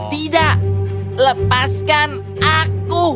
tidak lepaskan aku